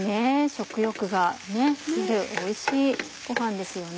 食欲が出るおいしいご飯ですよね。